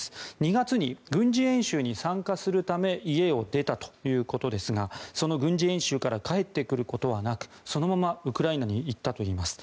２月に軍事演習に参加するため家を出たということですがその軍事演習から帰ってくることはなくそのままウクライナに行ったといいます。